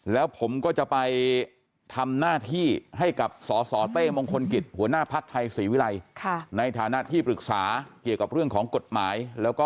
แล้วผมก็จะไปทำหน้าที่ให้กับสสเต้มงคลกิจหัวหน้าพัทย์ไทยศรีวิรัย